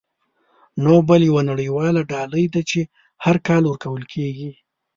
نوبل یوه نړیواله ډالۍ ده چې هر کال ورکول کیږي.